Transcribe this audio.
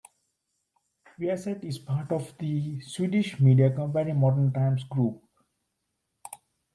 Viasat is part of the Swedish media company Modern Times Group.